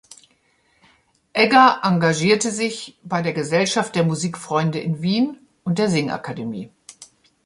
Egger engagierte sich bei der Gesellschaft der Musikfreunde in Wien und der Singakademie.